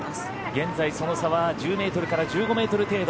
現在その差は１０ｍから１５ｍ程度。